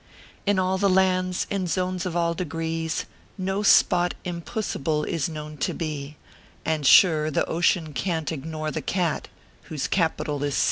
In all the lands, in zones of all degrees, No spot im puss able is known to be; And sure, the ocean can t ignore the Cat, Whose capital is C.